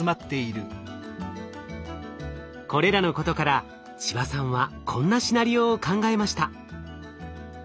これらのことから千葉さんはこんなシナリオを考えました。